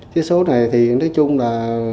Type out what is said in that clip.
thế số này thì nói chung là